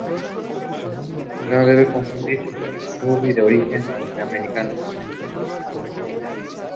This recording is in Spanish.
No debe confundirse con el "furry", de origen norteamericano.